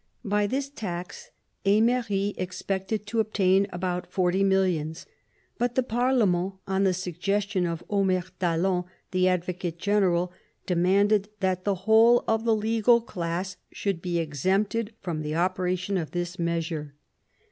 By this tax Emery expected to obtain about forty millions. But the parlementy on the suggestion of Omer Talon, the advocate general, demanded that the whole of the legal class should be exempted from the operation of this measure.